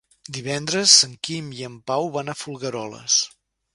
Divendres en Quim i en Pau van a Folgueroles.